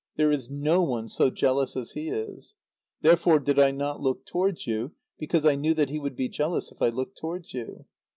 There is no one so jealous as he is. Therefore did I not look towards you, because I knew that he would be jealous if I looked towards you.